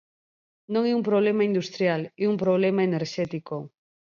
Non é un problema industrial, é un problema enerxético.